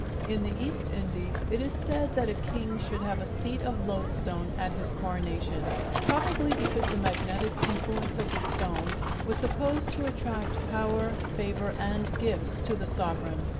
In the East Indies it is said that a king should have a seat of loadstone at his coronation; probably because the magnetic influence of the stone was supposed to attract power, favor, and gifts to the sovereign.